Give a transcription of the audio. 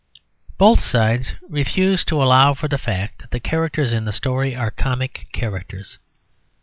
Both sides refuse to allow for the fact that the characters in the story are comic characters.